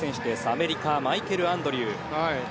アメリカマイケル・アンドリュー。